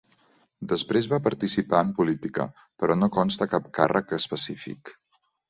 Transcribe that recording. Després va participar en política, però no consta cap càrrec específic.